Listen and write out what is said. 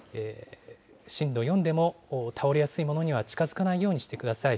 震度４でも倒れやすいものには近づかないようにしてください。